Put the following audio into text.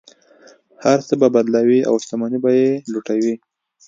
هر څه به بدلوي او شتمنۍ به یې لوټوي.